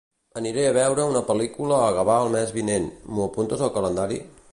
Aniré a veure una pel·lícula a Gavà el mes vinent; m'ho apuntes al calendari?